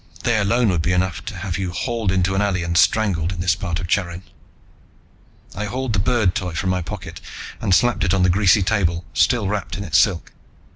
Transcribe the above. They alone would be enough to have you hauled into an alley and strangled, in this part of Charin." I hauled the bird Toy from my pocket and slapped it on the greasy table, still wrapped in its silk.